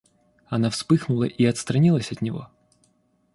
Она вспыхнула и отстранилась от него.